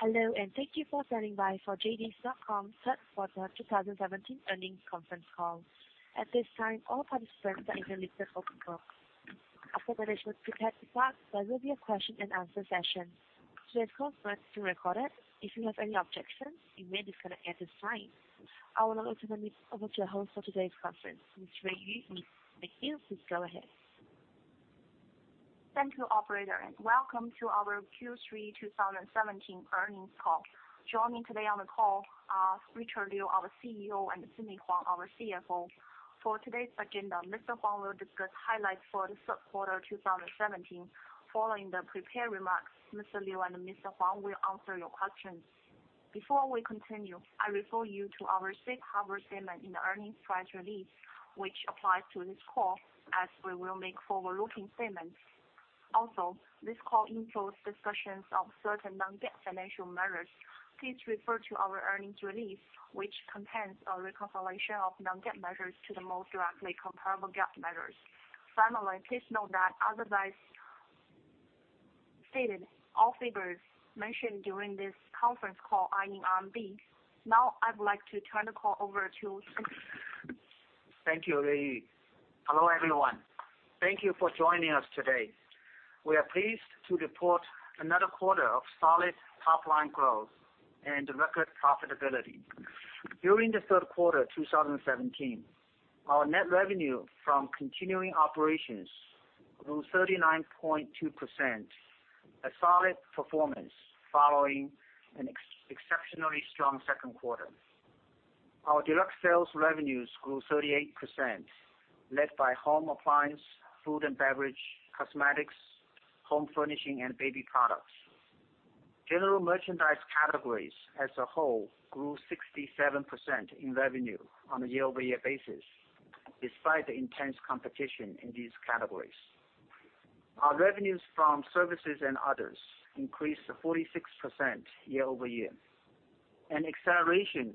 Hello, thank you for standing by for JD.com third quarter 2017 earnings conference call. At this time, all participants are in a listen-only mode. After the management prepared remarks, there will be a question and answer session. Today's call is being recorded. If you have any objections, you may disconnect at this time. I would like to turn this over to your host for today's conference, Ms. Ruiyu. Ruiyu, please go ahead. Thank you, operator, welcome to our Q3 2017 earnings call. Joining today on the call are Richard Liu, our CEO, and Sidney Huang, our CFO. For today's agenda, Mr. Huang will discuss highlights for the third quarter 2017. Following the prepared remarks, Mr. Liu and Mr. Huang will answer your questions. Before we continue, I refer you to our safe harbor statement in the earnings press release, which applies to this call as we will make forward-looking statements. Also, this call includes discussions of certain non-GAAP financial measures. Please refer to our earnings release, which contains a reconciliation of non-GAAP measures to the most directly comparable GAAP measures. Finally, please note that otherwise stated, all figures mentioned during this conference call are in RMB. I would like to turn the call over to Richard. Thank you, Ruiyu. Hello, everyone. Thank you for joining us today. We are pleased to report another quarter of solid top-line growth and record profitability. During the third quarter 2017, our net revenue from continuing operations grew 39.2%, a solid performance following an exceptionally strong second quarter. Our deluxe sales revenues grew 38%, led by home appliance, food and beverage, cosmetics, home furnishing, and baby products. General merchandise categories as a whole grew 67% in revenue on a year-over-year basis, despite the intense competition in these categories. Our revenues from services and others increased 46% year-over-year, an acceleration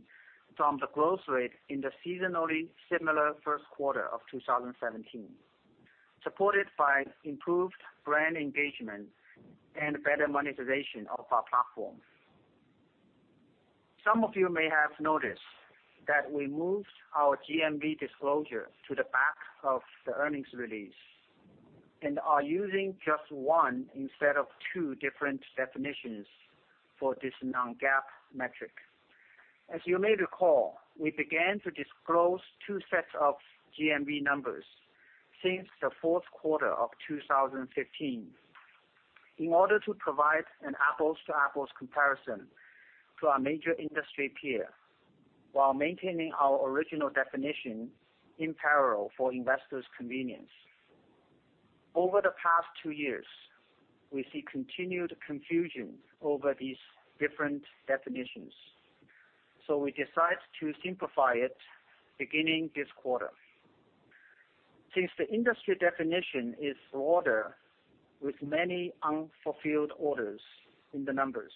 from the growth rate in the seasonally similar first quarter of 2017, supported by improved brand engagement and better monetization of our platforms. Some of you may have noticed that we moved our GMV disclosure to the back of the earnings release and are using just one instead of 2 different definitions for this non-GAAP metric. As you may recall, we began to disclose 2 sets of GMV numbers since the fourth quarter of 2015 in order to provide an apples-to-apples comparison to our major industry peer while maintaining our original definition in parallel for investors' convenience. Over the past 2 years, we see continued confusion over these different definitions, we decided to simplify it beginning this quarter. Since the industry definition is broader with many unfulfilled orders in the numbers,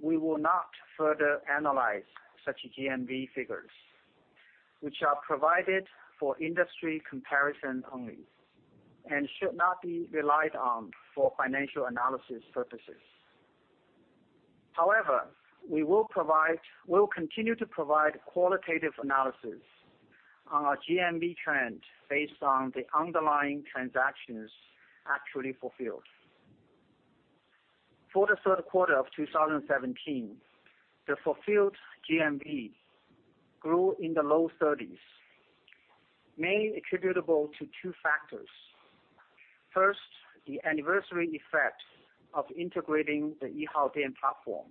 we will not further analyze such GMV figures, which are provided for industry comparison only and should not be relied on for financial analysis purposes. However, we will continue to provide qualitative analysis on our GMV trend based on the underlying transactions actually fulfilled. For the third quarter of 2017, the fulfilled GMV grew in the low 30s, mainly attributable to two factors. First, the anniversary effect of integrating the Yihaodian platform,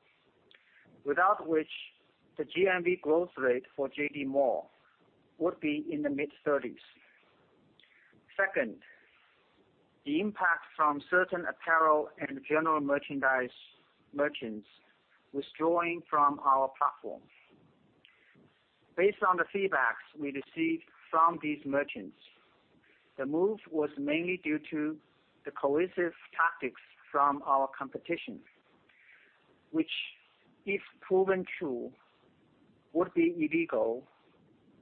without which the GMV growth rate for JD Mall would be in the mid-30s. Second, the impact from certain apparel and general merchandise merchants withdrawing from our platform. Based on the feedbacks we received from these merchants, the move was mainly due to the coercive tactics from our competition, which, if proven true, would be illegal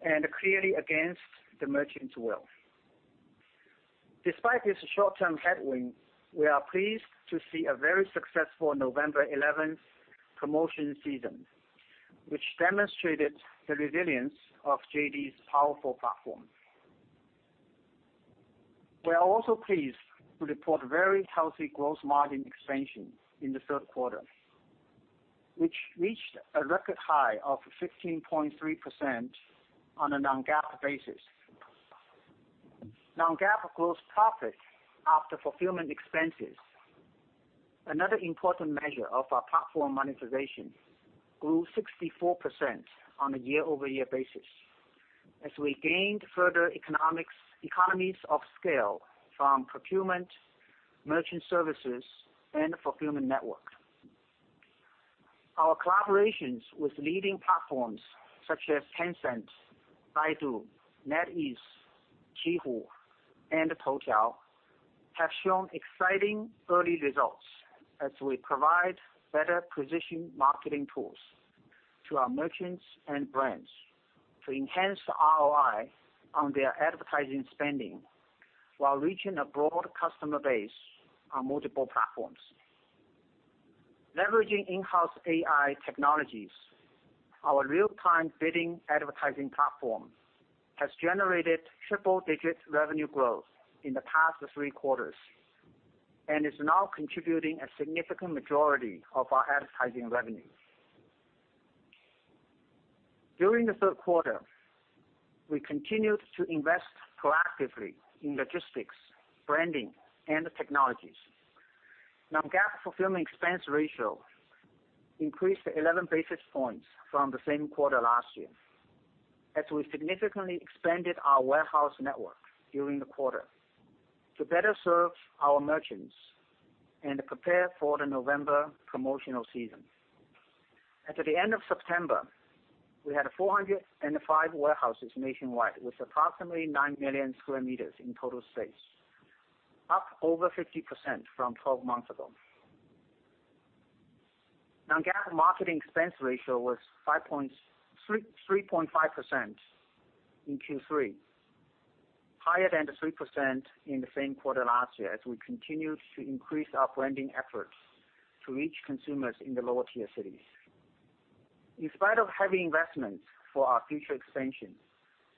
and clearly against the merchants' will. Despite this short-term headwind, we are pleased to see a very successful November 11th promotion season, which demonstrated the resilience of JD's powerful platform. We are also pleased to report very healthy gross margin expansion in the third quarter, which reached a record high of 15.3% on a non-GAAP basis. Non-GAAP gross profit after fulfillment expenses, another important measure of our platform monetization, grew 64% on a year-over-year basis as we gained further economies of scale from procurement, merchant services, and the fulfillment network. Our collaborations with leading platforms such as Tencent, Baidu, NetEase, Qihoo, and Toutiao have shown exciting early results as we provide better precision marketing tools to our merchants and brands to enhance ROI on their advertising spending while reaching a broad customer base on multiple platforms. Leveraging in-house AI technologies, our real-time bidding advertising platform has generated triple-digit revenue growth in the past three quarters and is now contributing a significant majority of our advertising revenue. During the third quarter, we continued to invest proactively in logistics, branding, and technologies. Non-GAAP fulfillment expense ratio increased 11 basis points from the same quarter last year, as we significantly expanded our warehouse network during the quarter to better serve our merchants and prepare for the November promotional season. At the end of September, we had 405 warehouses nationwide with approximately 9 million square meters in total space, up over 50% from 12 months ago. Non-GAAP marketing expense ratio was 3.5% in Q3, higher than the 3% in the same quarter last year, as we continued to increase our branding efforts to reach consumers in the lower-tier cities. In spite of heavy investments for our future expansion,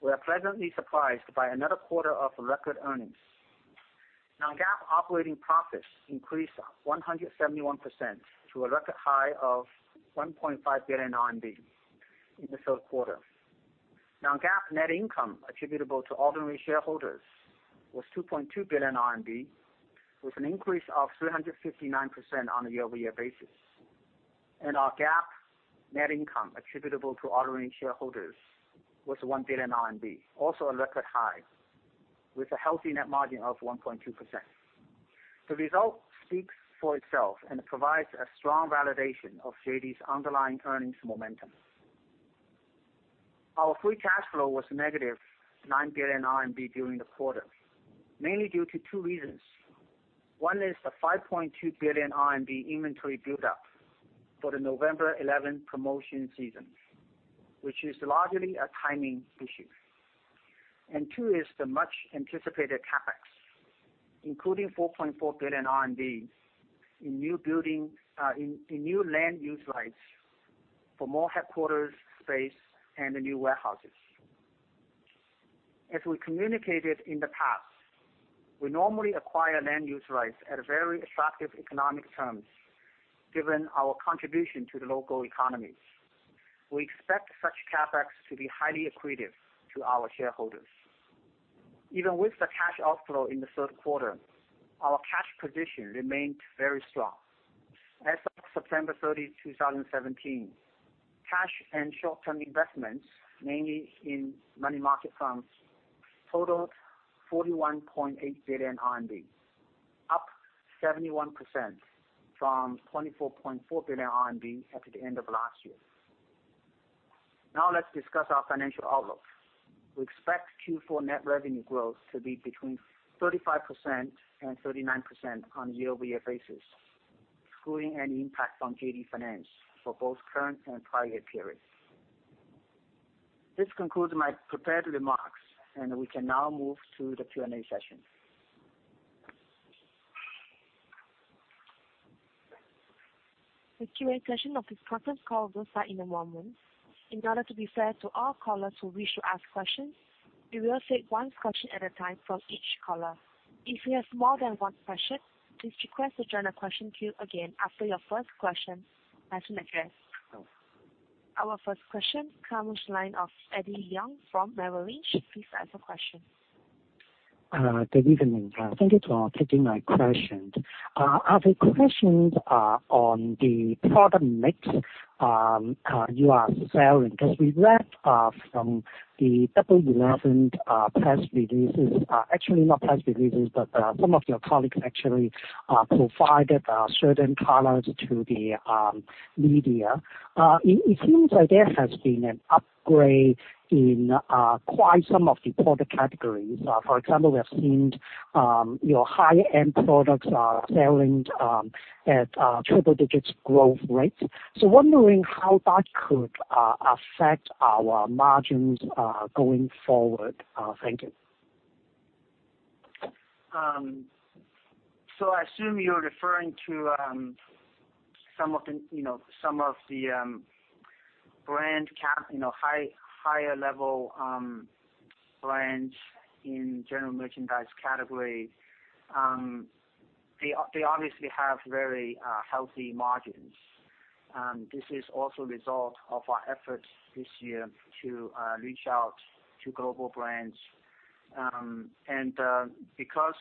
we are pleasantly surprised by another quarter of record earnings. Non-GAAP operating profits increased 171% to a record high of 1.5 billion RMB in the third quarter. Non-GAAP net income attributable to ordinary shareholders was 2.2 billion RMB, with an increase of 359% on a year-over-year basis. Our GAAP net income attributable to ordinary shareholders was 1 billion RMB, also a record high, with a healthy net margin of 1.2%. The result speaks for itself and provides a strong validation of JD's underlying earnings momentum. Our free cash flow was negative 9 billion RMB during the quarter, mainly due to two reasons. One is the 5.2 billion RMB inventory buildup for the November 11 promotion season, which is largely a timing issue. Two is the much-anticipated CapEx, including 4.4 billion in new land use rights for more headquarters space and new warehouses. As we communicated in the past, we normally acquire land use rights at very attractive economic terms given our contribution to the local economy. We expect such CapEx to be highly accretive to our shareholders. Even with the cash outflow in the third quarter, our cash position remained very strong. As of September 30, 2017, cash and short-term investments, mainly in money market funds, totaled 41.8 billion RMB, up 71% from 24.4 billion RMB at the end of last year. Let's discuss our financial outlook. We expect Q4 net revenue growth to be between 35% and 39% on a year-over-year basis, excluding any impact on JD Finance for both current and prior year periods. This concludes my prepared remarks, and we can now move to the Q&A session. The Q&A session of this conference call will start in a moment. In order to be fair to all callers who wish to ask questions, we will take one question at a time from each caller. If you have more than one question, please request to join the question queue again after your first question has been addressed. Our first question comes to the line of Eddie Leung from Merrill Lynch. Please ask your question. Good evening. Thank you for taking my question. I have a question on the product mix you are selling because we read from the Double 11 press releases. Actually, not press releases, but some of your colleagues actually provided certain colors to the media. It seems like there has been an upgrade in quite some of the product categories. For example, we have seen your high-end products are selling at triple digits growth rates. Wondering how that could affect our margins going forward. Thank you. I assume you're referring to some of the higher level brands in general merchandise category. They obviously have very healthy margins. This is also a result of our efforts this year to reach out to global brands. Because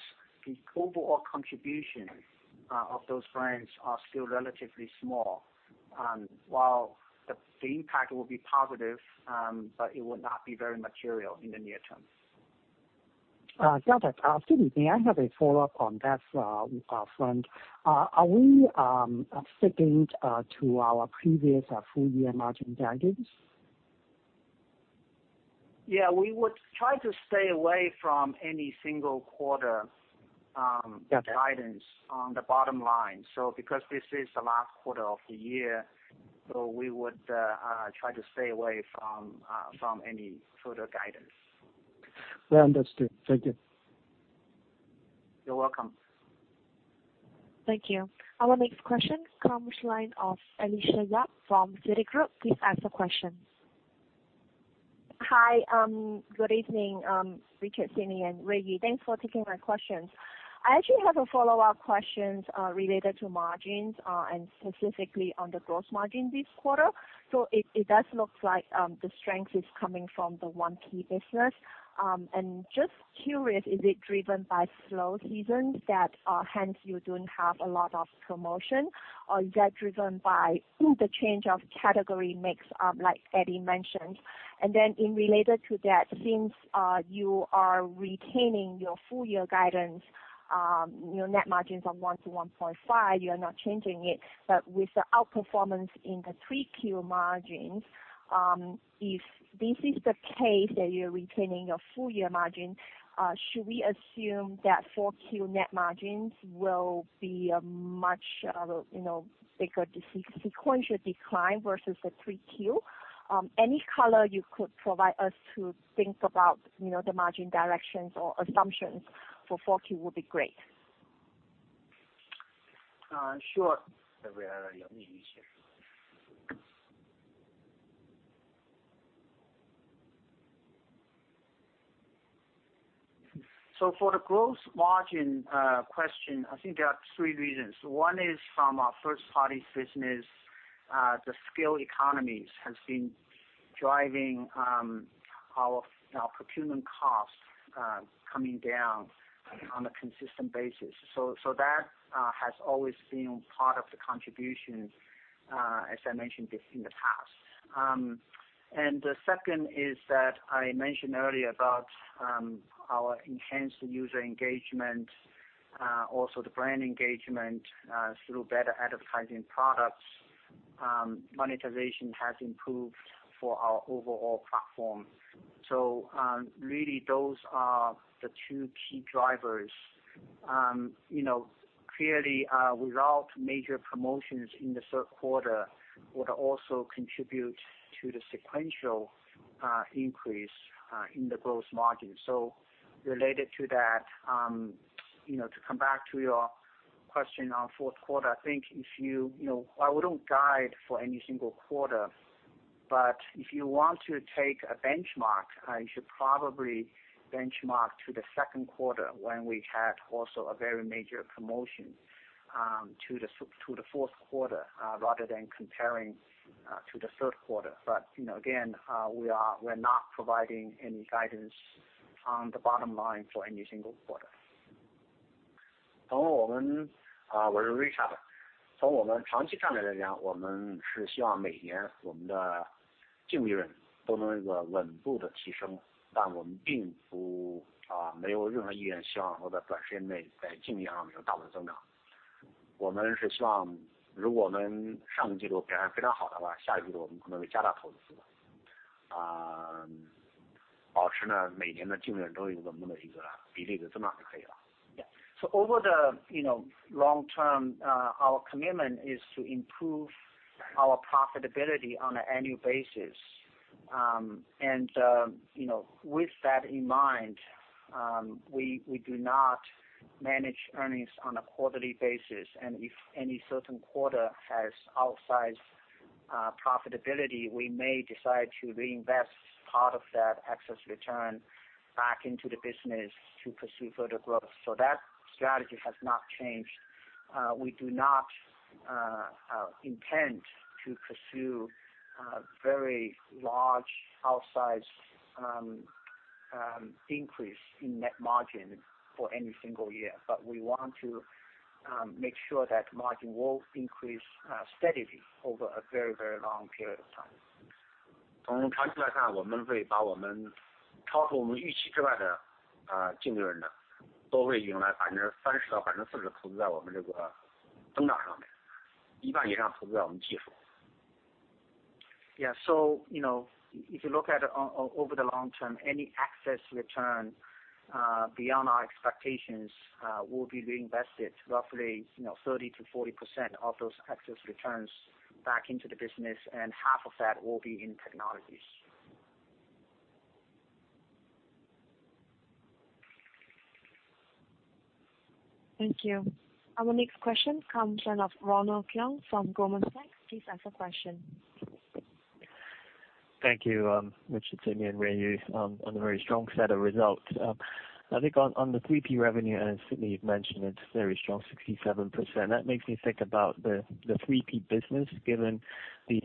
the overall contribution of those brands are still relatively small, while the impact will be positive, but it will not be very material in the near term. Got it. Good evening. I have a follow-up on that front. Are we sticking to our previous full-year margin guidance? Yeah, we would try to stay away from any single quarter guidance on the bottom line. Because this is the last quarter of the year, we would try to stay away from any further guidance. Yeah, understood. Thank you. You're welcome. Thank you. Our next question comes line of Alicia Yap from Citigroup. Please ask a question. Hi. Good evening Richard, Sidney and Ruiyu. Thanks for taking my questions. I actually have a follow-up question related to margins, and specifically on the gross margin this quarter. It does look like the strength is coming from the 1P business. Just curious, is it driven by slow season that hence you don't have a lot of promotion, or is that driven by the change of category mix like Eddie mentioned? Related to that, since you are retaining your full year guidance, your net margins of 1%-1.5%, you're not changing it. With the outperformance in the 3Q margins, if this is the case that you're retaining your full year margin, should we assume that 4Q net margins will be a much bigger sequential decline versus the 3Q? Any color you could provide us to think about the margin directions or assumptions for 4Q would be great. Sure. For the gross margin question, I think there are three reasons. One is from our first party business. The scale economies have been driving our procurement costs coming down on a consistent basis. That has always been part of the contribution, as I mentioned in the past. The second is that I mentioned earlier about our enhanced user engagement, also the brand engagement through better advertising products. Monetization has improved for our overall platform. Really those are the two key drivers. Clearly, without major promotions in the third quarter, would also contribute to the sequential increase in the gross margin. Related to that, to come back to your question on fourth quarter, I wouldn't guide for any single quarter. If you want to take a benchmark, you should probably benchmark to the second quarter when we had also a very major promotion to the fourth quarter, rather than comparing to the third quarter. Again we're not providing any guidance on the bottom line for any single quarter. Over the long term, our commitment is to improve our profitability on an annual basis. With that in mind, we do not manage earnings on a quarterly basis. If any certain quarter has outsized profitability, we may decide to reinvest part of that excess return back into the business to pursue further growth. That strategy has not changed. We do not intend to pursue very large outsized increase in net margin for any single year. We want to make sure that margin will increase steadily over a very long period of time. Yeah. If you look at it over the long term, any excess return beyond our expectations will be reinvested, roughly 30%-40% of those excess returns back into the business, and half of that will be in technologies. Thank you. Our next question comes in of Ronald Keung from Goldman Sachs. Please ask a question. Thank you, Richard, Sidney and Ruiyu on a very strong set of results. I think on the 3P revenue. Sidney you've mentioned it's very strong, 67%. That makes me think about the 3P business, given the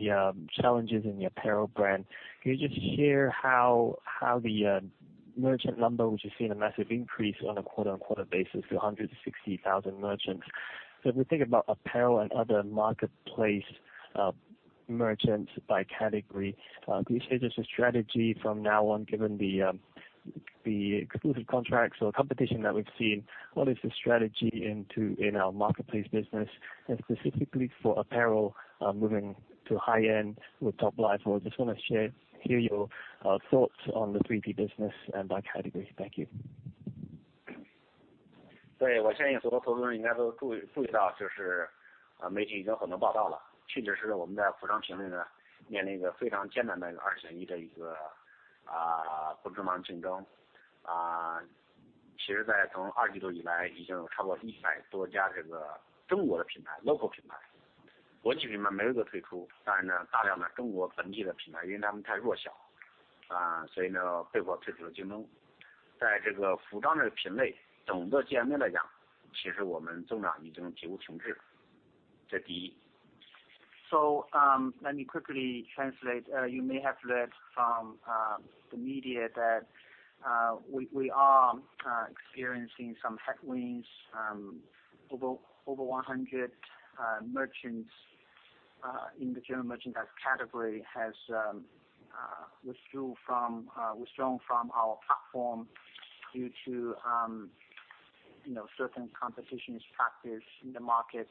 challenges in the apparel brand. Can you just share how the merchant number, which you've seen a massive increase on a quarter-over-quarter basis to 160,000 merchants. If we think about apparel and other marketplace merchants by category, can you share just a strategy from now on given the exclusive contracts or competition that we've seen, what is the strategy in our marketplace business and specifically for apparel, moving to high-end with top level? I just want to hear your thoughts on the 3P business and that category. Thank you. 对，我相信所有投资人应该都注意到，媒体已经很多报道了。确实我们在服装品类里面临一个非常艰难的二选一的竞争。其实从二季度以来，已经有超过100多家中国的local品牌，国际品牌没有一个退出。但是大量的中国本地的品牌因为他们太弱小，所以被迫退出了竞争。在服装的品类整个局面来讲，其实我们增长已经几无停滞了。这第一。Let me quickly translate. You may have read from the media that we are experiencing some headwinds. Over 100 merchants in the general merchandise category have withdrawn from our platform due to certain competition factors in the market.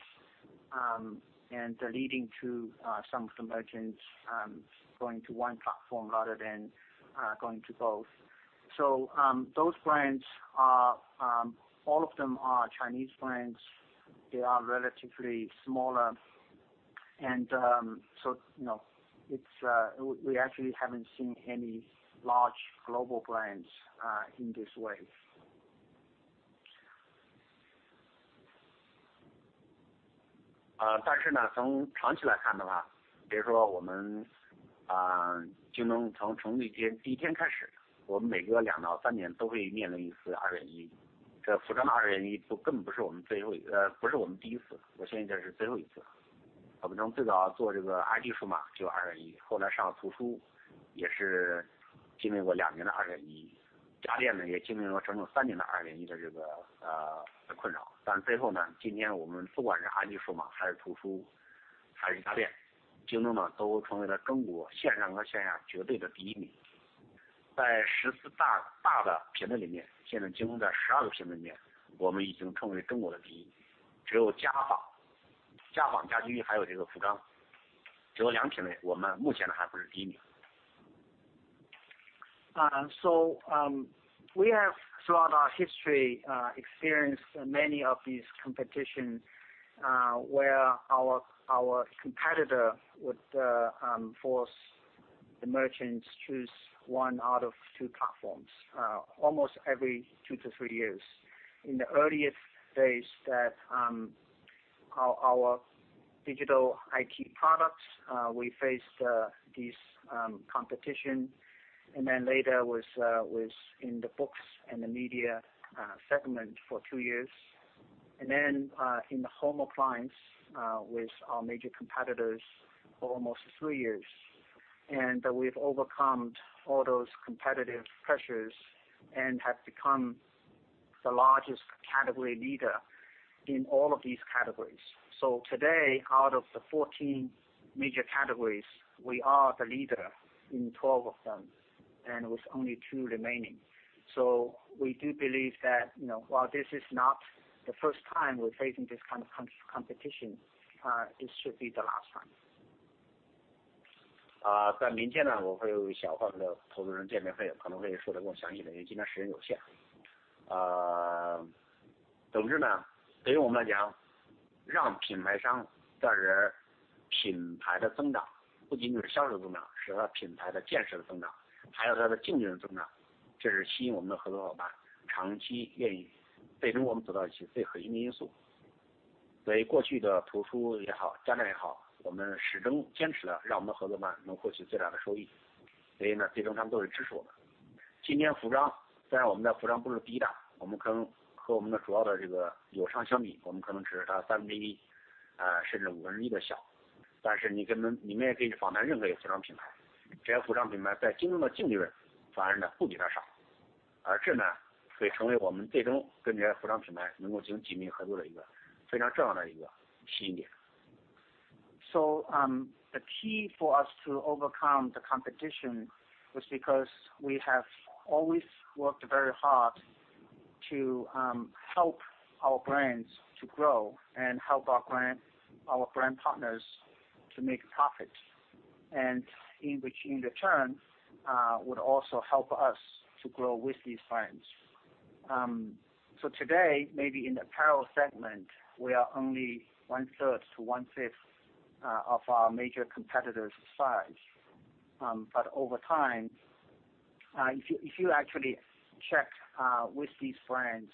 They're leading to some of the merchants going to one platform rather than going to both. Those brands, all of them are Chinese brands. They are relatively smaller. We actually haven't seen any large global brands in this wave. We have, throughout our history, experienced many of these competitions, where our competitor would force the merchants to choose one out of two platforms almost every 2 to 3 years. In the earliest days that our digital IT products, we faced this competition. Then later was in the books and the media segment for 2 years. Then in the home appliance with our major competitors for almost 3 years. We've overcome all those competitive pressures and have become the largest category leader in all of these categories. Today, out of the 14 major categories, we are the leader in 12 of them, and with only 2 remaining. We do believe that while this is not the first time we're facing this kind of competition, it should be the last time. The key for us to overcome the competition was because we have always worked very hard to help our brands to grow and help our brand partners to make profit, in return, would also help us to grow with these brands. Today, maybe in the apparel segment, we are only one-third to one-fifth of our major competitor's size. Over time, if you actually check with these brands,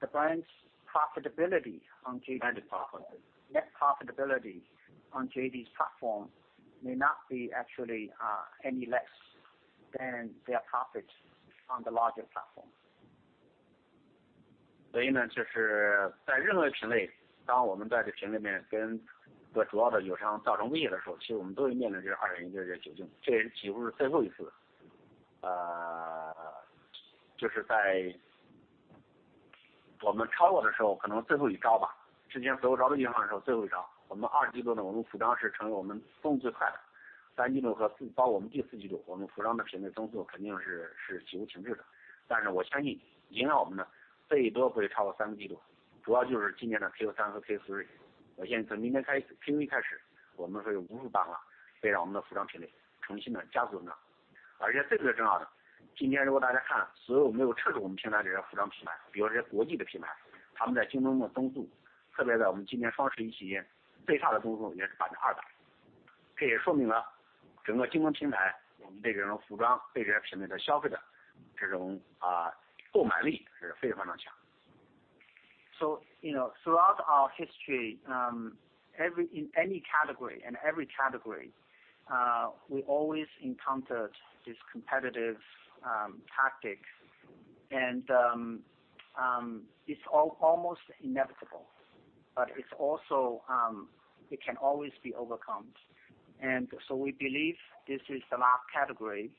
the brand's profitability on JD- 管理层。Net profitability on JD's platform may not be actually any less than their profits on the larger platform. Throughout our history, in any category and every category, we always encountered this competitive tactic. It's almost inevitable, but it can always be overcome. We believe this is the last category,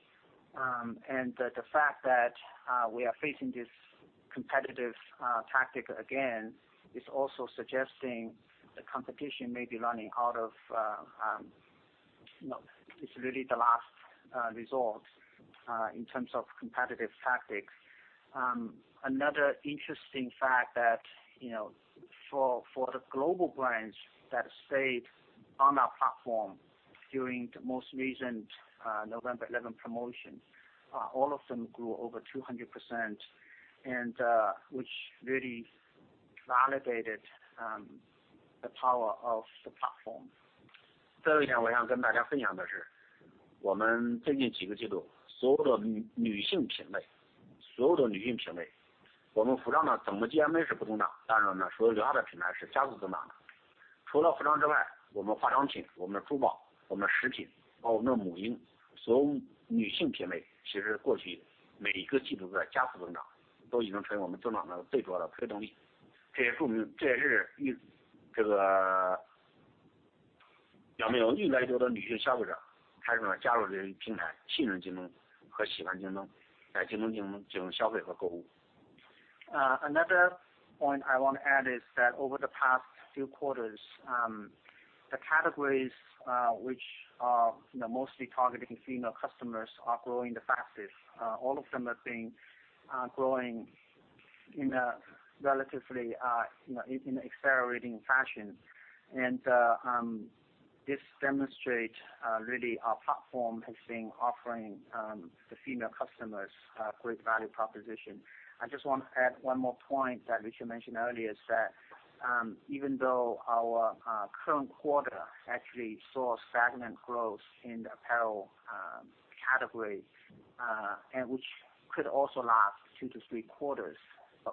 and the fact that we are facing this competitive tactic again is also suggesting the competition may be running out of It's really the last resort in terms of competitive tactics. Another interesting fact that for the global brands that stayed on our platform during the most recent November 11 promotion, all of them grew over 200%, and which really validated the power of the platform. 最后一点我想跟大家分享的是，我们最近几个季度所有的女性品类，我们服装整体GMV是不增长，但是所有其他的品牌是加速增长的。除了服装之外，我们化妆品、我们的珠宝、我们的食品，包括我们的母婴，所有女性品类，其实过去每一个季度的加速增长都已经成为我们增长的最主要的推动力。这也是表明有越来越多的女性消费者开始加入这个平台，信任京东和喜欢京东，来京东进行消费和购物。Another point I want to add is that over the past few quarters, the categories which are mostly targeting female customers are growing the fastest. All of them have been growing in an accelerating fashion. This demonstrates really our platform has been offering the female customers a great value proposition. I just want to add one more point that Richard mentioned earlier, is that even though our current quarter actually saw a stagnant growth in the apparel category, and which could also last two to three quarters,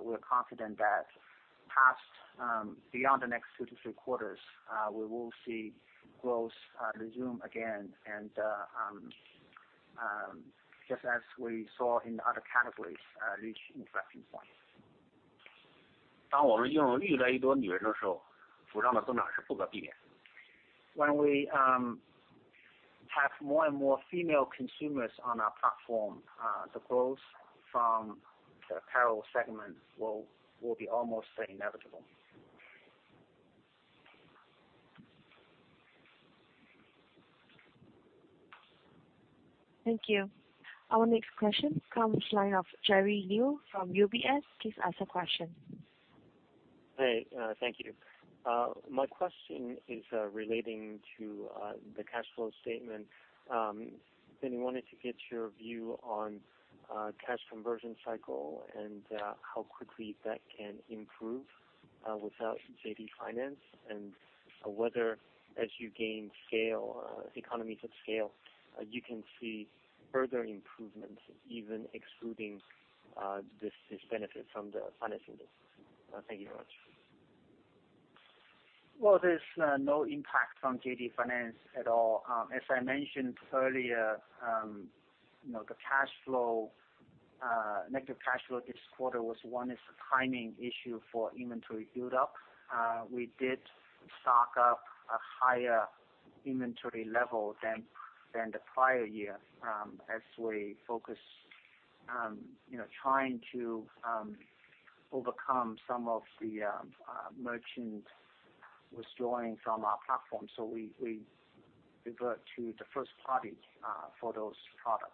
we're confident that beyond the next two to three quarters, we will see growth resume again, and just as we saw in other categories, reach inflection points. 当我们拥有越来越多女性用户的时候，服装的增长是不可避免的。When we have more and more female consumers on our platform, the growth from the apparel segment will be almost inevitable. Thank you. Our next question comes line of Jerry Liu from UBS. Please ask a question. Thank you. My question is relating to the cash flow statement. I wanted to get your view on cash conversion cycle and how quickly that can improve without JD Finance, and whether as you gain economies of scale, you can see further improvements, even excluding this benefit from the financing business. Thank you very much. Well, there's no impact from JD Finance at all. As I mentioned earlier, the negative cash flow this quarter was, one, it's a timing issue for inventory build-up. We did stock up a higher inventory level than the prior year as we focused on trying to overcome some of the merchants withdrawing from our platform. We revert to the first party for those products.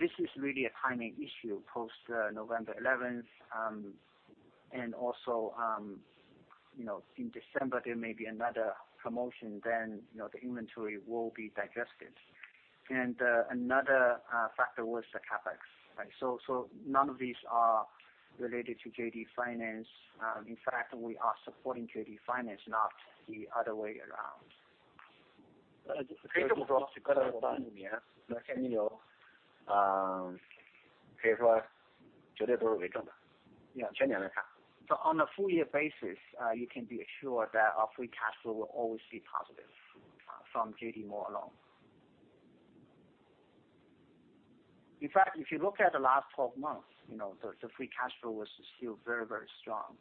This is really a timing issue post November 11th. In December, there may be another promotion, the inventory will be digested. Another factor was the CapEx. None of these are related to JD Finance. In fact, we are supporting JD Finance, not the other way around. 从过去八九年，我相信你可以说绝对都是为正的。全年来看。On a full year basis, you can be assured that our free cash flow will always be positive from JD Mall alone. In fact, if you look at the last 12 months, the free cash flow was still very, very strong.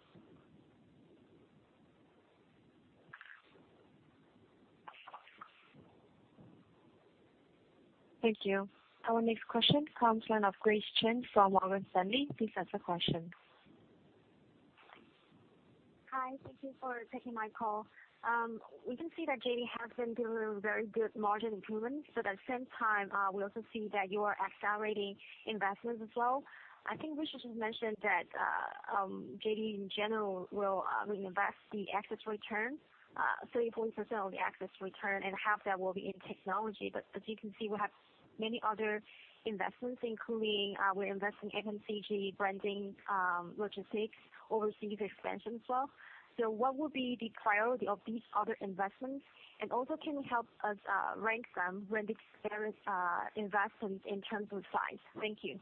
Thank you. Our next question comes line of Grace Chen from Morgan Stanley. Please ask a question. Hi. Thank you for taking my call. We can see that JD.com has been delivering very good margin improvements. At the same time, we also see that you are accelerating investments as well. I think Richard Liu just mentioned that JD.com in general will reinvest the excess return, 30%-40% of the excess return, and half that will be in technology. As you can see, we have many other investments, including we invest in FMCG, branding, logistics, overseas expansion as well. What will be the priority of these other investments? Also, can you help us rank them when they compare investment in terms of size? Thank you.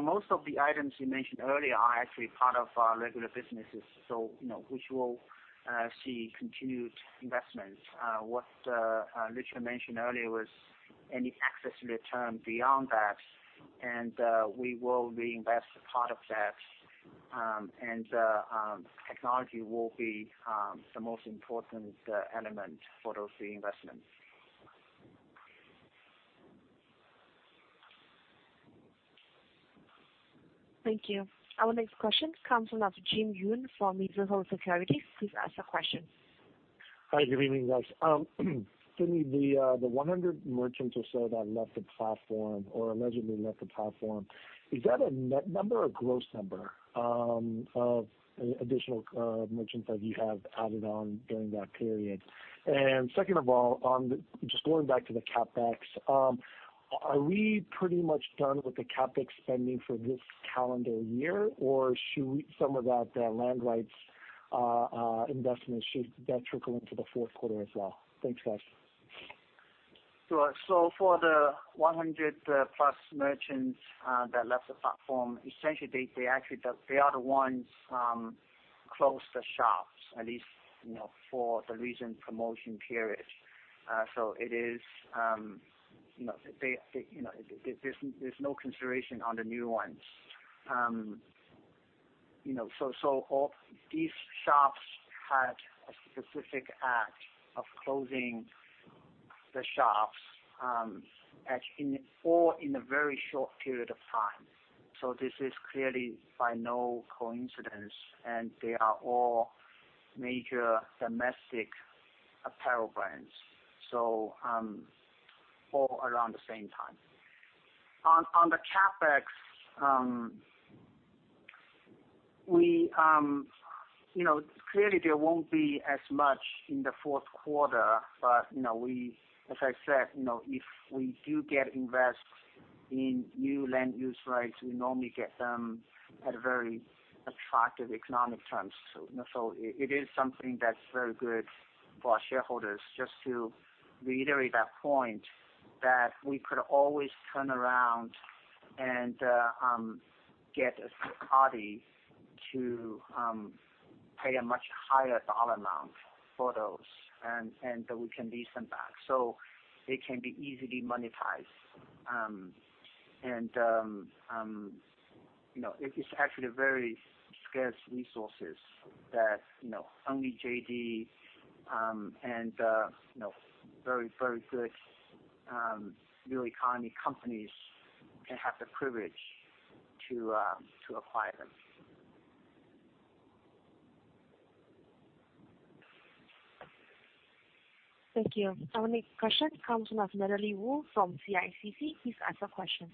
Most of the items you mentioned earlier are actually part of our regular businesses, which will see continued investments. What Richard Liu mentioned earlier was any excess return beyond that. We will reinvest part of that. Technology will be the most important element for those investments. Thank you. Our next question comes from Jin Yoon from Mizuho Securities. Please ask a question. Hi, good evening, guys. Sidney, the 100 merchants or so that left the platform or allegedly left the platform, is that a net number or gross number of additional merchants that you have added on during that period? Second of all, just going back to the CapEx. Are we pretty much done with the CapEx spending for this calendar year, or should some of that land rights investments, should that trickle into the fourth quarter as well? Thanks, guys. Sure. For the 100 plus merchants that left the platform, essentially, they are the ones closed the shops, at least, for the recent promotion period. There's no consideration on the new ones. These shops had a specific act of closing the shops, all in a very short period of time. This is clearly by no coincidence, and they are all major domestic apparel brands, so all around the same time. On the CapEx, clearly there won't be as much in the fourth quarter. As I said, if we do get invests in new land use rights, we normally get them at a very attractive economic terms. It is something that's very good for our shareholders, just to reiterate that point, that we could always turn around and get a third party to pay a much higher RMB amount for those, and we can lease them back. It can be easily monetized. It is actually very scarce resources that only JD and very good real economy companies can have the privilege to acquire them. Thank you. Our next question comes from Natalie Wu from CICC. Please ask a question.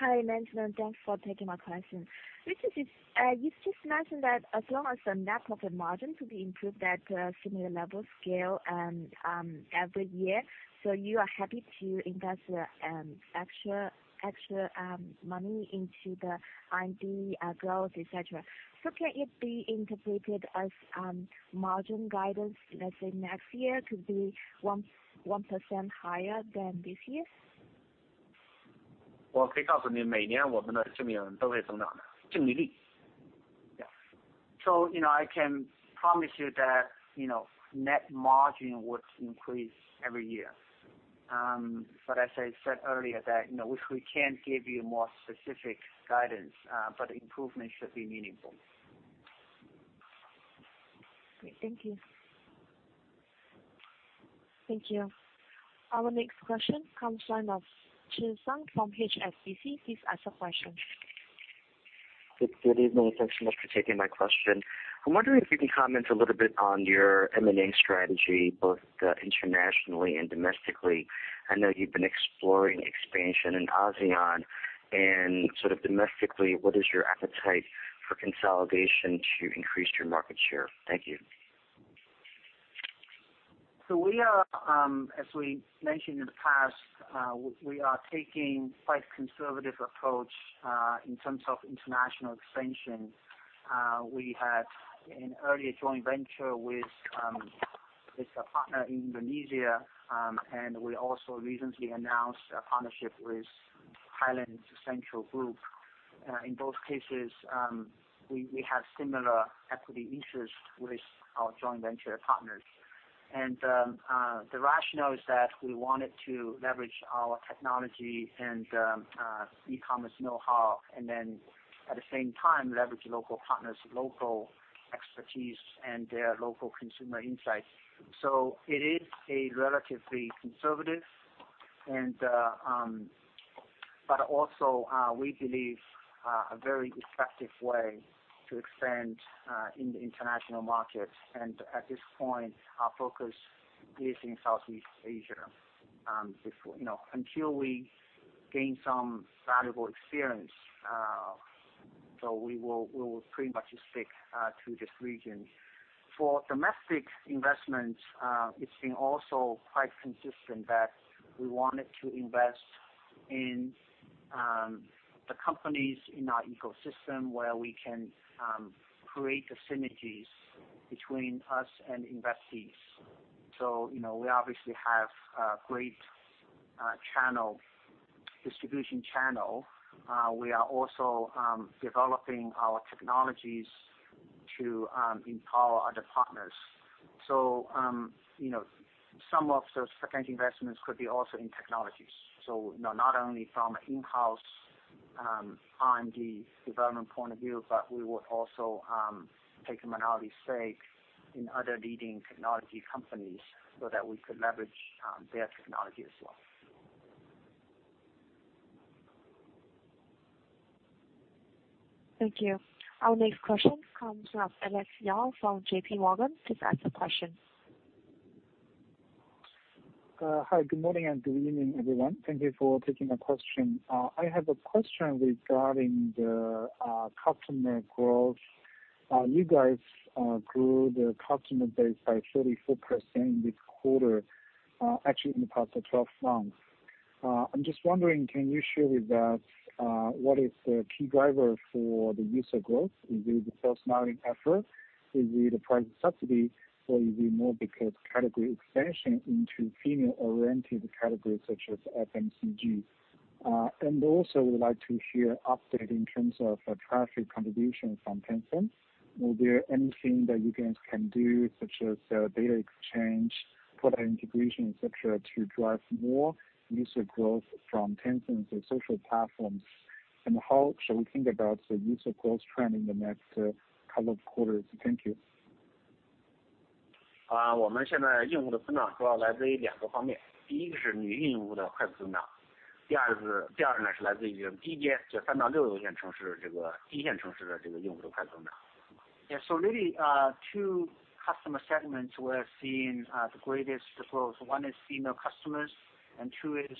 Hi management. Thanks for taking my question. Richard, you've just mentioned that as long as the net profit margin to be improved at similar level scale every year, you are happy to invest extra money into the R&D growth, et cetera. Can it be interpreted as margin guidance, let's say, next year could be 1% higher than this year? Yeah. I can promise you that net margin would increase every year. As I said earlier that we can't give you more specific guidance, but improvement should be meaningful. Thank you. Thank you. Our next question comes the line of Chi Tsang from HSBC. Please ask a question. Good evening. Thanks so much for taking my question. I'm wondering if you can comment a little bit on your M&A strategy, both internationally and domestically. I know you've been exploring expansion in ASEAN, and sort of domestically, what is your appetite for consolidation to increase your market share? Thank you. We are, as we mentioned in the past, we are taking quite conservative approach in terms of international expansion. We had an earlier joint venture with a partner in Indonesia, and we also recently announced a partnership with Thailand's Central Group. In both cases, we have similar equity interests with our joint venture partners. The rationale is that we wanted to leverage our technology and e-commerce know-how, and then at the same time leverage local partners, local expertise and their local consumer insights. It is a relatively conservative, but also, we believe, a very effective way to expand in the international market. At this point, our focus is in Southeast Asia. Until we gain some valuable experience, we will pretty much stick to this region. For domestic investments, it's been also quite consistent that we wanted to invest in the companies in our ecosystem where we can create the synergies between us and investees. We obviously have a great distribution channel. We are also developing our technologies to empower other partners. Some of the second investments could be also in technologies. Not only from in-house R&D development point of view, but we will also take a minority stake in other leading technology companies so that we could leverage their technology as well. Thank you. Our next question comes from Alex Yao from JPMorgan. Please ask a question. Hi, good morning and good evening, everyone. Thank you for taking the question. I have a question regarding the customer growth. You guys grew the customer base by 34% this quarter, actually in the past 12 months. I'm just wondering, can you share with us what is the key driver for the user growth? Is it the self-marketing effort? Is it the price subsidy, or is it more because category expansion into female-oriented categories such as FMCG? Also, we'd like to hear update in terms of traffic contribution from Tencent. Will there anything that you guys can do, such as data exchange, product integration, et cetera, to drive more user growth from Tencent's social platforms? How should we think about the user growth trend in the next couple of quarters? Thank you. Really, two customer segments we're seeing the greatest growth. One is female customers, and two is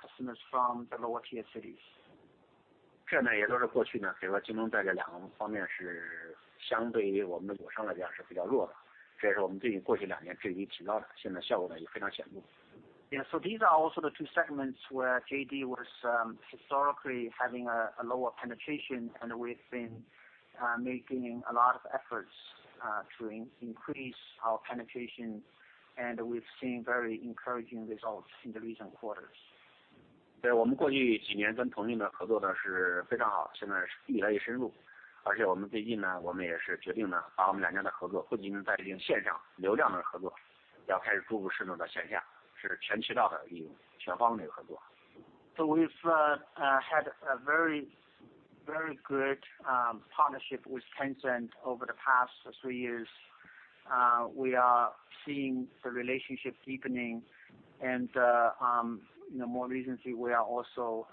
customers from the lower tier cities. These are also the two segments where JD was historically having a lower penetration, and we've been making a lot of efforts to increase our penetration, and we've seen very encouraging results in the recent quarters. We've had a very good partnership with Tencent over the past three years. We are seeing the relationship deepening and more recently, we are also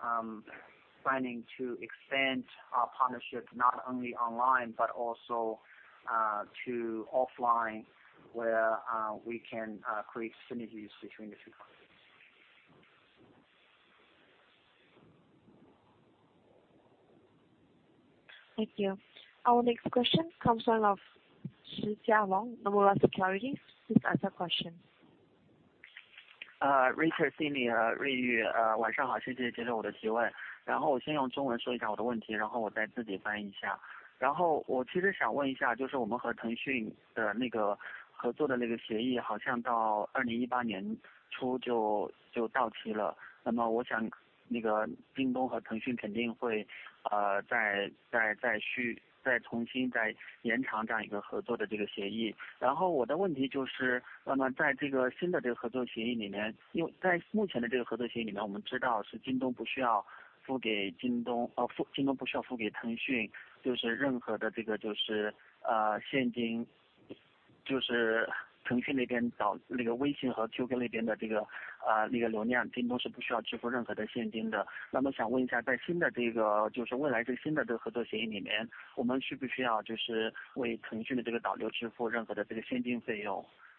planning to extend our partnership not only online but also to offline, where we can create synergies between the two companies. Thank you. Our next question comes from Jialong Shi, Nomura Securities. Please ask your question.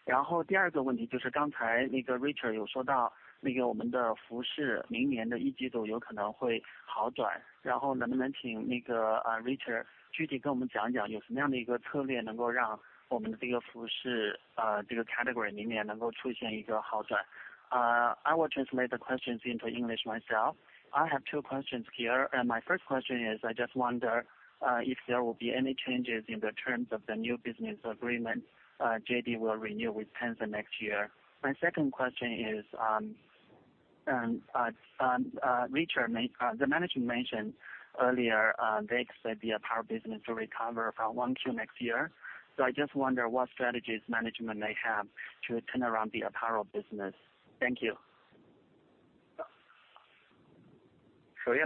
Richard, Sidney, I will translate the questions into English myself. I have two questions here. My first question is, I just wonder if there will be any changes in the terms of the new business agreement JD will renew with Tencent next year. My second question is. The management mentioned earlier, they expect the apparel business to recover from 1Q next year. I just wonder what strategies management may have to turn around the apparel business. Thank you. First,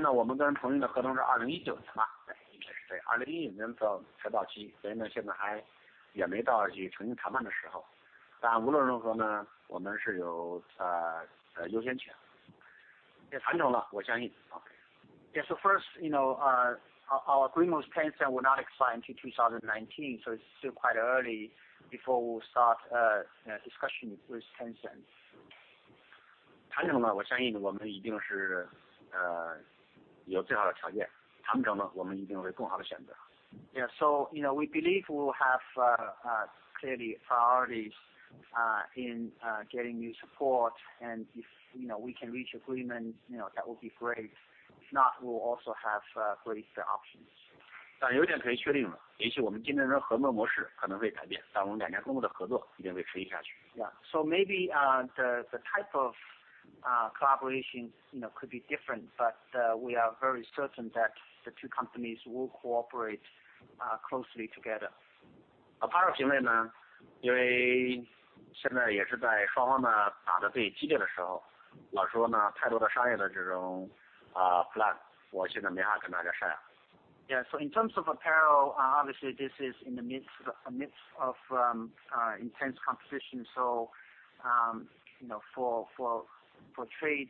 our agreement with Tencent will not expire until 2019, it's still quite early before we'll start a discussion with Tencent. We believe we'll have clearly priorities in getting new support and if we can reach agreement, that would be great. If not, we'll also have pretty fair options. Maybe the type of collaboration could be different, but we are very certain that the two companies will cooperate closely together. In terms of apparel, obviously this is in the midst of intense competition. For trade,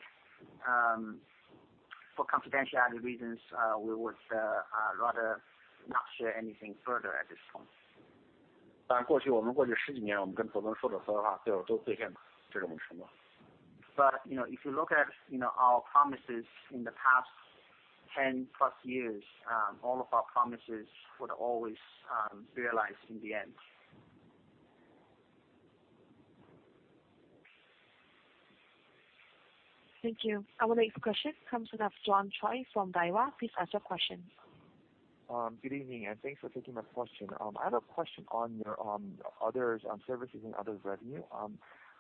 for confidentiality reasons, we would rather not share anything further at this point. If you look at our promises in the past 10-plus years, all of our promises were always realized in the end. Thank you. Our next question comes from John Choi from Daiwa. Please ask your question. Good evening, and thanks for taking my question. I had a question on your services and other revenue.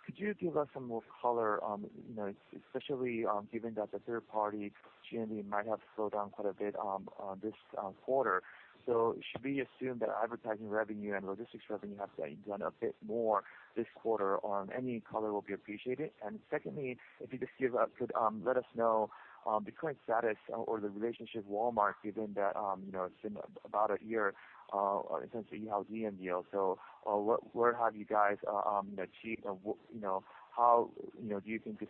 Could you give us some more color on, especially given that the 3P GMV might have slowed down quite a bit on this quarter. Should we assume that advertising revenue and logistics revenue have done a bit more this quarter? Any color will be appreciated. Secondly, if you just could let us know the current status or the relationship with Walmart given that it's been about a year in terms of the JD deal. Where have you guys achieved and how do you think this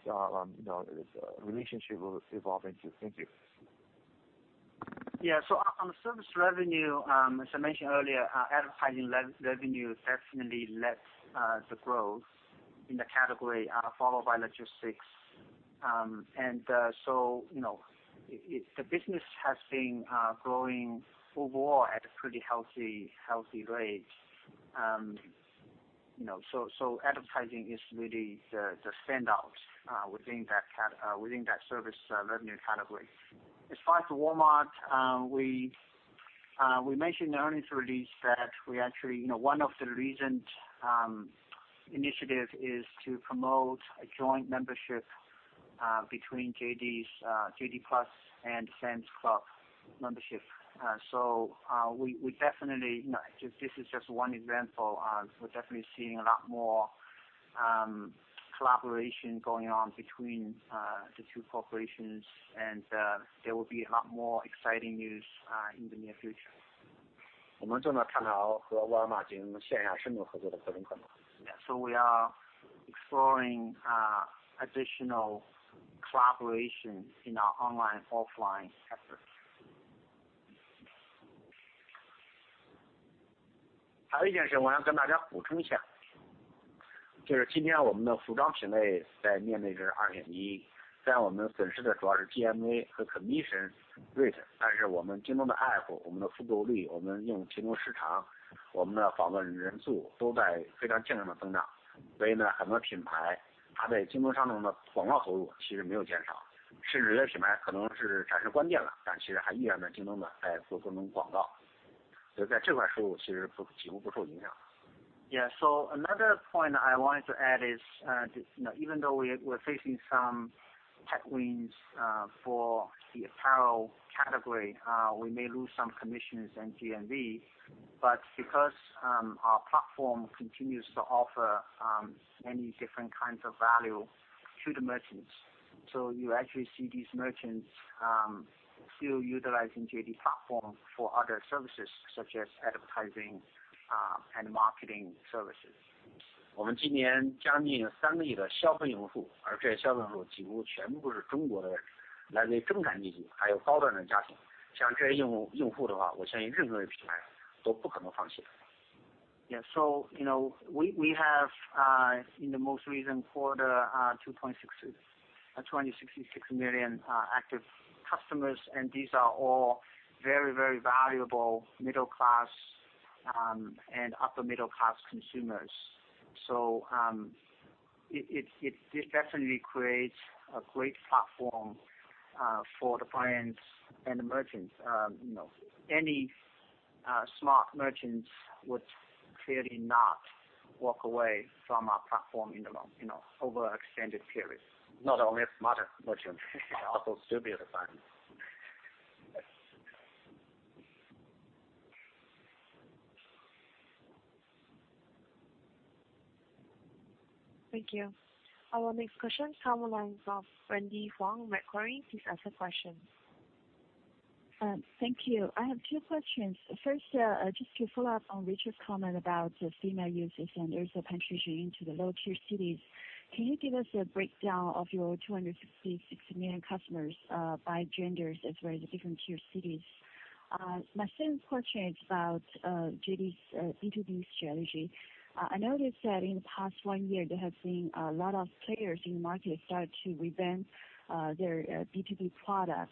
relationship will evolve into? Thank you. On service revenue, as I mentioned earlier, advertising revenue definitely led the growth in the category, followed by logistics. The business has been growing overall at a pretty healthy rate. Advertising is really the standout within that service revenue category. As far as Walmart, we mentioned in the earnings release that we actually, one of the recent initiatives is to promote a joint membership between JD PLUS and Sam's Club membership. This is just one example. We're definitely seeing a lot more collaboration going on between the two corporations, and there will be a lot more exciting news in the near future. We are exploring additional collaboration in our online, offline efforts. Another point I wanted to add is, even though we're facing some headwinds for the apparel category, we may lose some commissions and GMV, because our platform continues to offer many different kinds of value to the merchants. You actually see these merchants still utilizing JD platform for other services, such as advertising and marketing services. We have, in the most recent quarter, 266 million active customers, and these are all very, very valuable middle-class and upper middle-class consumers. This definitely creates a great platform for the brands and the merchants. Any smart merchants would clearly not walk away from our platform over extended periods. Not only smarter merchants, also stupider ones. Thank you. Our next question comes in from Wendy Huang, Macquarie. Please ask the question. Thank you. I have two questions. First, just to follow up on Richard's comment about the female users and also penetration into the lower-tier cities. Can you give us a breakdown of your 266 million customers by genders as well as the different tier cities? My second question is about JD's B2B strategy. I noticed that in the past one year, there have been a lot of players in the market start to revamp their B2B product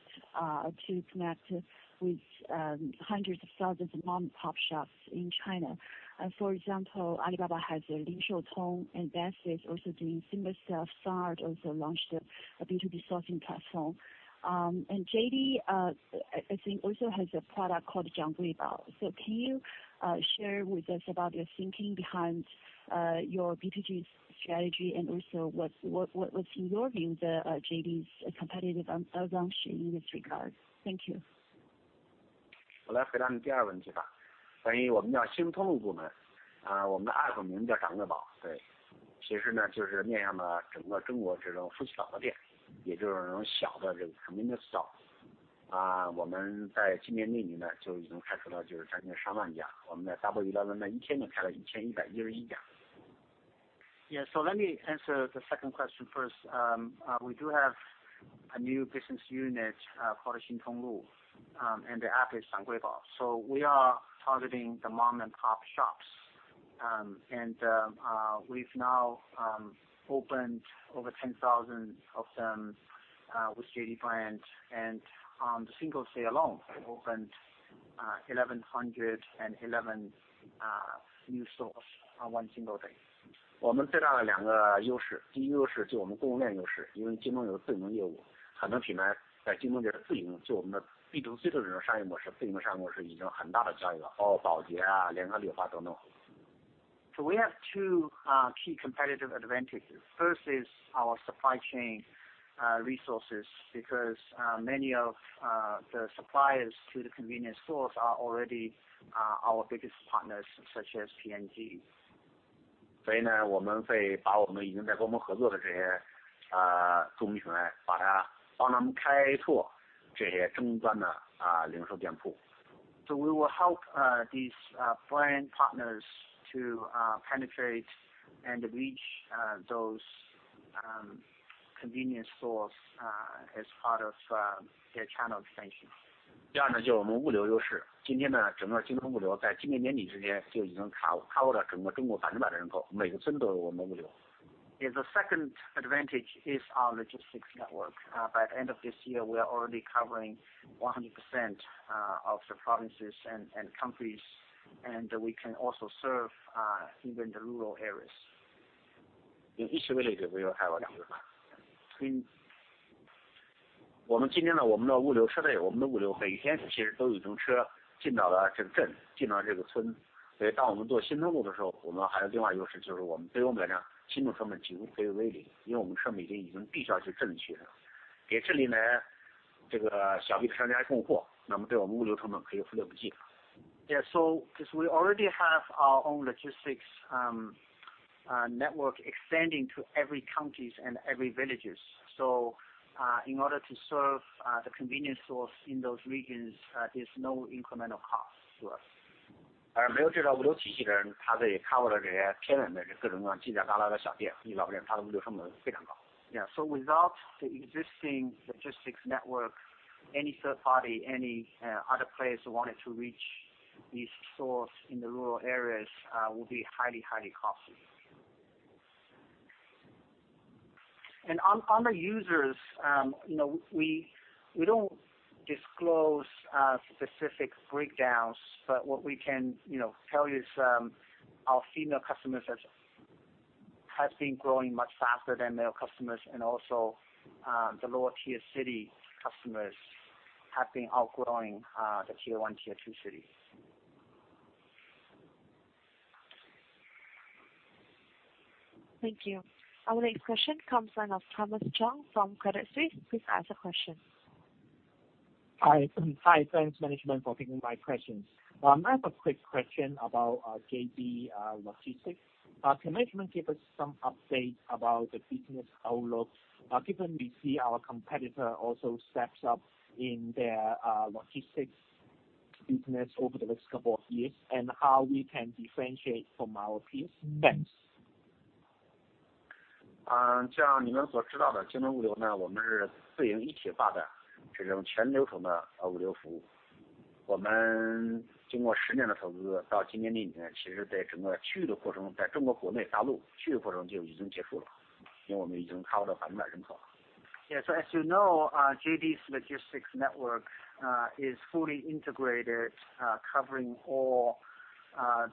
to connect with hundreds of thousands of mom-and-pop shops in China. For example, Alibaba has, [unintelligible] and Amazon is also doing similar stuff. Sun Art also launched a B2B sourcing platform. JD, I think, also has a product called. [unintelligible] Can you share with us about your thinking behind your B2B strategy and also what's, in your view, JD's competitive advantage in this regard? Thank you. Let me answer the second question first. We do have a new business unit, called Xin Tong Lu, and the app is Zhang Gui Bao. We are targeting the mom-and-pop shops. We've now opened over 10,000 of them with JD brand, and on the Singles' Day alone, we opened 1,111 new stores on one single day. We have two key competitive advantages. First is our supply chain resources because many of the suppliers to the convenience stores are already our biggest partners, such as P&G. We will help these brand partners to penetrate and reach those convenience stores as part of their channel expansion. The second advantage is our logistics network. By the end of this year, we are already covering 100% of the provinces and counties, and we can also serve even the rural areas. In each village, we will have a delivery. We already have our own logistics network extending to every county and every village. In order to serve the convenience stores in those regions, there's no incremental cost to us. Without the existing logistics network, any third party, any other players who wanted to reach these stores in the rural areas will be highly costly. On the users, we don't disclose specific breakdowns, but what we can tell you is our female customers have been growing much faster than male customers, and also, the lower-tier city customers have been outgrowing the tier 1, tier 2 cities. Thank you. Our next question comes in from Thomas Chung from Credit Suisse. Please ask the question. Hi. Thanks, management, for taking my questions. I have a quick question about JD Logistics. Can management give us some update about the business outlook given we see our competitor also steps up in their Logistics business over the next couple of years, and how we can differentiate from our peers? Thanks. As you know, JD's Logistics network is fully integrated, covering all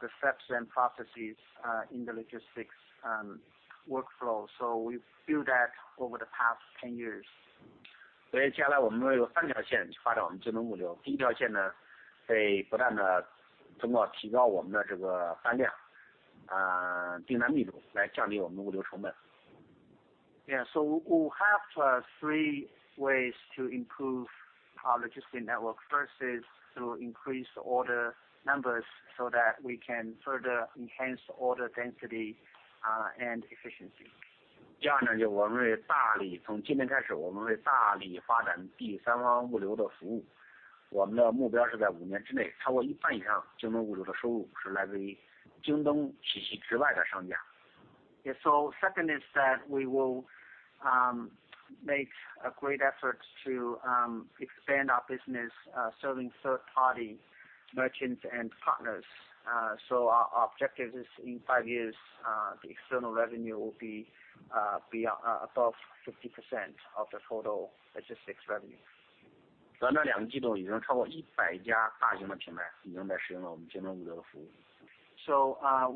the steps and processes in the Logistics workflow. We've built that over the past 10 years. 所以将来我们会有三条线去发展我们京东物流。第一条线，会不断地提高我们的单量、订单密度，来降低我们的物流成本。We'll have three ways to improve our Logistics network. First is to increase order numbers so that we can further enhance order density and efficiency. 第二，从今年开始，我们会大力发展第三方物流的服务。我们的目标是在五年之内，超过一半以上的京东物流的收入是来自于京东体系之外的商家。Second is that we will make a great effort to expand our business serving third-party merchants and partners. Our objective is in five years, the external revenue will be above 50% of the total Logistics revenue. 短短两个季度，已经超过100家大型的品牌已经在使用了我们京东物流的服务。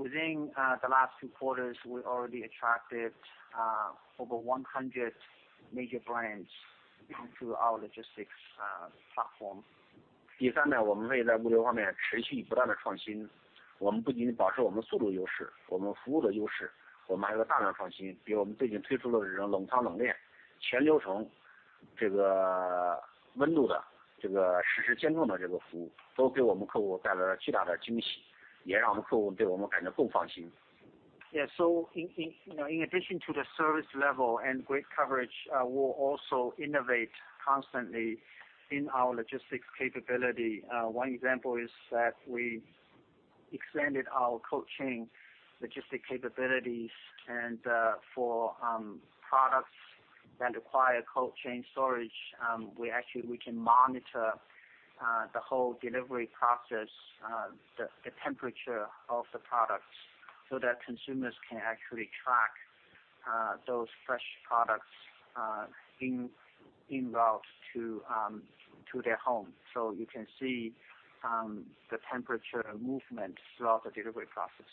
Within the last two quarters, we already attracted over 100 major brands to our logistics platform. 第三，我们会在物流方面持续不断地创新。我们不仅保持我们速度优势，我们服务的优势，我们还有大量创新，比如我们最近推出的这种冷仓冷链、全流程温度的实时监控的这个服务，都给我们客户带来了巨大的惊喜，也让我们客户对我们感觉更放心。In addition to the service level and great coverage, we'll also innovate constantly in our logistics capability. One example is that we extended our cold chain logistics capabilities. For products that require cold chain storage, we can monitor the whole delivery process, the temperature of the products, that consumers can actually track those fresh products en route to their home. You can see the temperature movement throughout the delivery process.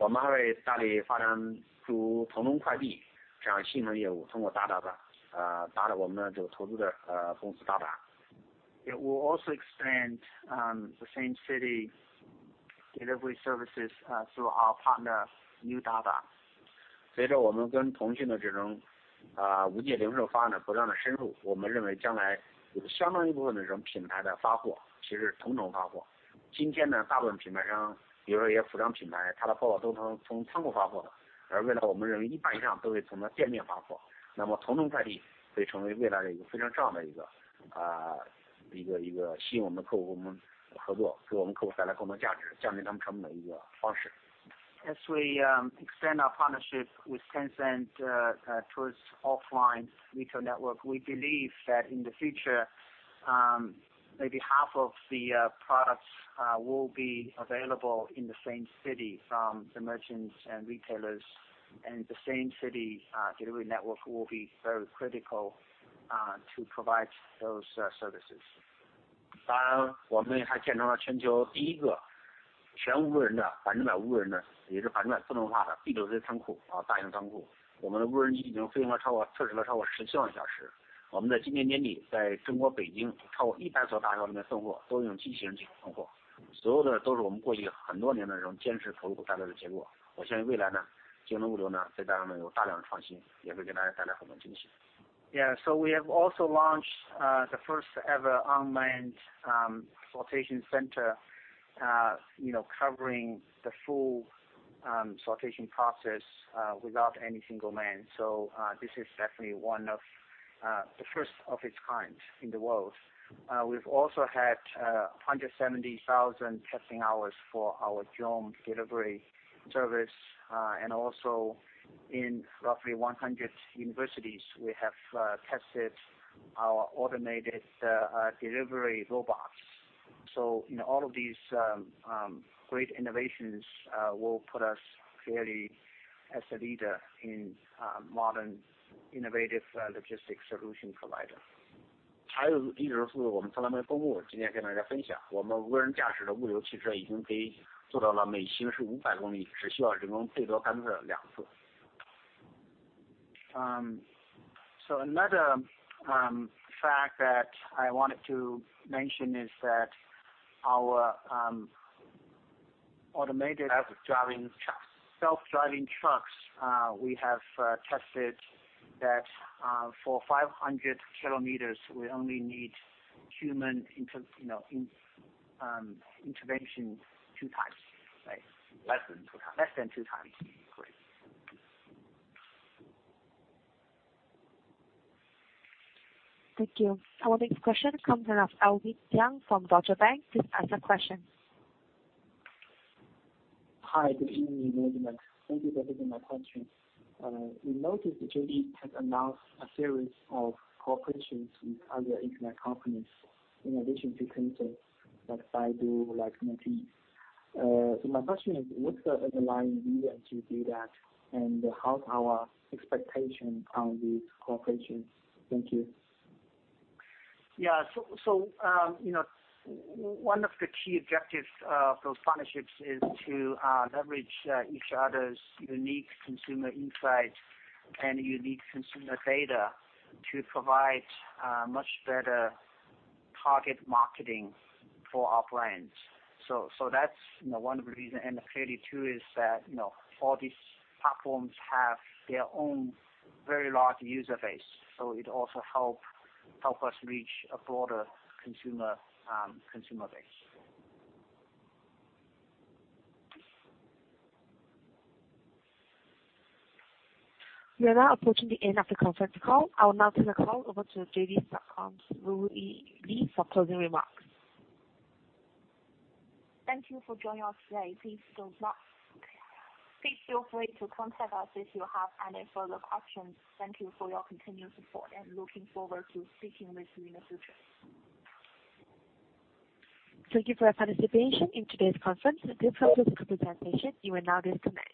我们还会大力发展同城快递这样新的业务，通过我们的投资的公司达达。We'll also expand the same city delivery services through our partner, Dada Group. 随着我们跟腾讯的这种无界零售发展的不断地深入，我们认为将来有相当一部分的这种品牌的发货其实是同城发货。今天大部分品牌商，比如说一些服装品牌，它的货都是从仓库发货的。而未来我们认为一半以上都会从店面发货。那么同城快递会成为未来一个非常重要的、吸引我们的客户跟我们合作，给我们客户带来更多价值，降低他们成本的一个方式。As we expand our partnership with Tencent towards offline retail network, we believe that in the future, maybe half of the products will be available in the same city from the merchants and retailers. The same city delivery network will be very critical to provide those services. 当然我们也还建成了全球第一个全无人的，100%无人的，也是100%自动化的B2C仓库，大型仓库。我们的无人机已经测试了超过十七万小时。我们在今年年底，在中国北京，超过100所大学里面送货，都用机器人进行送货。所有的都是我们过去很多年的这种坚持投入带来的结果。我相信未来，JD Logistics在大家面前有大量的创新，也会给大家带来很多惊喜。Yeah. We have also launched the first-ever unmanned sortation center covering the full sortation process without any single man. This is definitely one of the first of its kind in the world. We've also had 170,000 testing hours for our drone delivery service. Also in roughly 100 universities, we have tested our automated delivery robots. All of these great innovations will put us clearly as a leader in modern, innovative logistics solution provider. 还有一直是我们从来没有公布过，今天跟大家分享，我们无人驾驶的物流汽车已经可以做到了每行驶500公里，只需要人工最多干预两次。Another fact that I wanted to mention is that our automated- Self-driving trucks self-driving trucks, we have tested that for 500 kilometers, we only need human intervention two times. Less than two times. Thank you. Our next question comes from Alvin Yang from Deutsche Bank. Please ask your question. Hi, good evening. Thank you for taking my question. We noticed that JD has announced a series of cooperations with other internet companies in addition to Tencent, like Baidu, like NetEase. My question is, what's the underlying reason to do that, and how's our expectation on these cooperations? Thank you. Yeah. One of the key objectives of those partnerships is to leverage each other's unique consumer insights and unique consumer data to provide much better target marketing for our brands. That's one of the reasons. Clearly too, is that all these platforms have their own very large user base. It also help us reach a broader consumer base. We are now approaching the end of the conference call. I will now turn the call over to JD.com's Ruiyu Li for closing remarks. Thank you for joining us today. Please feel free to contact us if you have any further questions. Thank you for your continued support, and looking forward to speaking with you in the future. Thank you for your participation in today's conference. This concludes the presentation. You are now disconnected.